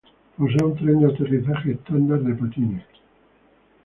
Posee un tren de aterrizaje estándar de patines.